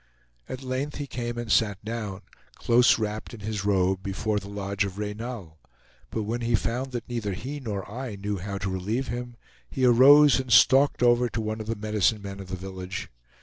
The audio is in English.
At length he came and sat down, close wrapped in his robe, before the lodge of Reynal, but when he found that neither he nor I knew how to relieve him, he arose and stalked over to one of the medicine men of the village.